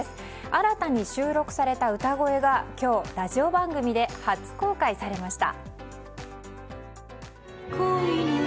新たに収録された歌声が今日、ラジオ番組で初公開されました。